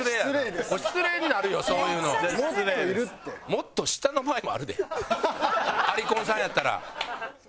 もっと下の場合もあるでアリコンさんやったら。